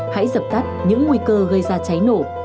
hãy dập tắt những nguy cơ gây ra cháy nổ